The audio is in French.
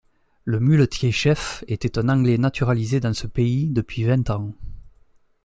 Le muletier-chef était un Anglais naturalisé dans ce pays depuis vingt ans.